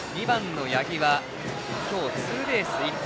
２番の八木は今日ツーベース１本。